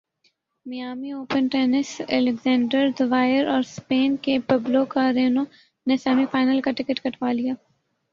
Miami Open tennis Alexander Zverev اورسپین کے Pablo Carreno نے سیمی فائنل کا ٹکٹ کٹوا لیا